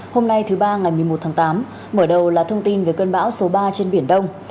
hôm nay thứ ba ngày một mươi một tháng tám mở đầu là thông tin về cơn bão số ba trên biển đông